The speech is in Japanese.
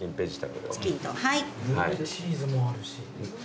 ブルーチーズもあるし。